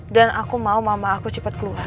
dan aku mau mama aku cepet keluar